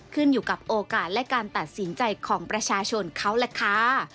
ขึ้นอยู่กับโอกาสและการตัดสินใจของประชาชนเขาล่ะค่ะ